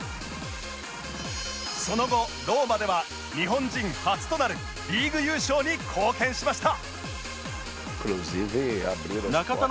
その後ローマでは日本人初となるリーグ優勝に貢献しました